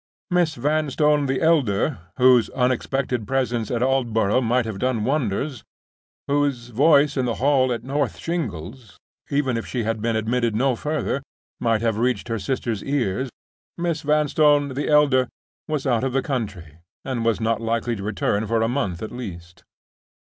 Miss Vanstone, the elder, whose unexpected presence at Aldborough might have done wonders—whose voice in the hall at North Shingles, even if she had been admitted no further, might have reached her sister's ears and led to instant results—Miss Vanstone, the elder, was out of the country, and was not likely to return for a month at least.